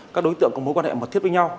các đối tượng có mối quan hệ mật thiết với nhau